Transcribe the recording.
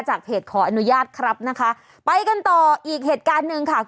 เพจขออนุญาตครับนะคะไปกันต่ออีกเหตุการณ์หนึ่งค่ะ